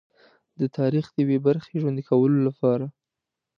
د تاریخ د یوې برخې ژوندي کولو لپاره.